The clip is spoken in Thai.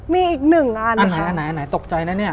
มีอีกหนึ่งอันอะไรตกใจนะเนี่ย